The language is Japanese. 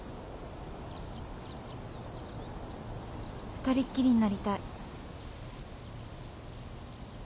二人っきりになりたい。